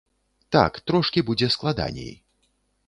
Так, трошкі будзе складаней.